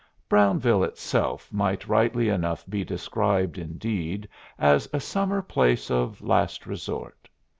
Brownville itself might rightly enough be described, indeed, as a summer place of last resort.